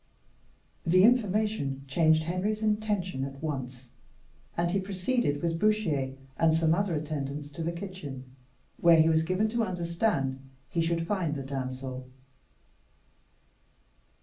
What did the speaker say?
The information changed Henry's intentions at once, and he proceeded with Bouchier and some other attendants to the kitchen, where he was given to understand he should find the damsel.